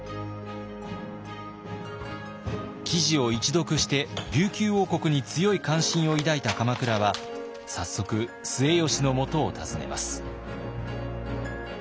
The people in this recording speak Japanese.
記事を一読して琉球王国に強い関心を抱いた鎌倉は早速末吉のもとを訪ねます。